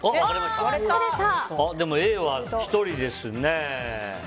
Ａは１人ですね。